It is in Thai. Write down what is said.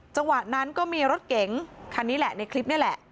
จังหวะนั้นก็มีรถเก๋งคันนี้แหละในคลิปนี่แหละ